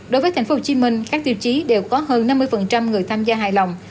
đối với thành phố hồ chí minh các tiêu chí đều có hơn năm mươi người tham gia hài lòng